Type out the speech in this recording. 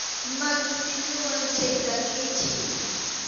Maki silluwan chayta kʼichiy.